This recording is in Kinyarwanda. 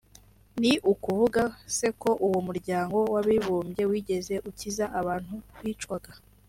Ni ukuvuga se ko uwo muryango w’Abibumbye wigeze ukiza abantu bicwaga